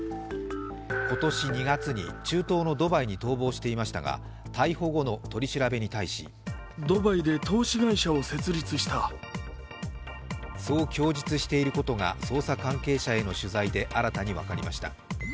今年２月に中東のドバイに逃亡していましたが、逮捕後の取り調べに対しそう供述していることが捜査関係者への取材で新たに分かりました。